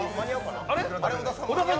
小田さん